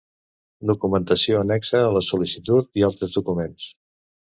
Documentació annexa a la sol·licitud i altres documents.